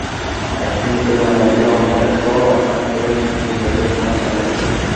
একটি সূত্র জানায়, এতে অন্যত্র স্থানান্তরের জন্য তিন বছরের সময় চাওয়া হয়েছে।